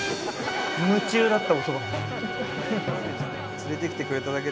夢中だったおそばに。